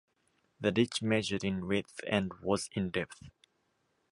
The ditch measured in width and was in depth.